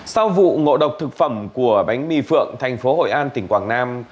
sau vụ ngộ độc thực phẩm của bánh mì phượng thành phố hội an tỉnh quảng nam